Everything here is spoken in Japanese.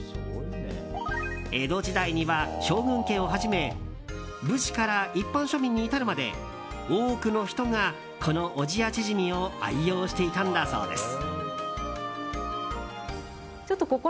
江戸時代には将軍家をはじめ武士から一般庶民に至るまで多くの人が、この小千谷縮を愛用していたんだそうです。